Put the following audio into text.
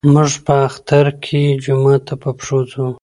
موږ په اختر کې جومات ته په پښو ځو.